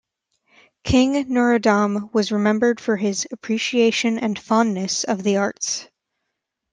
King Norodom was remembered for his appreciation and fondness of the arts.